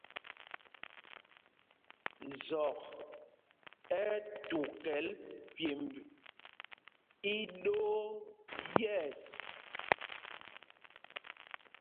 Zɔk ɛ́ ɛ́ tukɛl pyêmb íɗoo yɛ̂ɛs.